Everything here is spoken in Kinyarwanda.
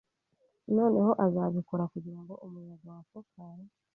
Noneho azabikora kugirango umuyaga wa Focara